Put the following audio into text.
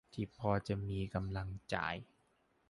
ที่พอจะมีกำลังจ่าย